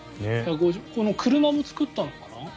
この車も作ったのかな？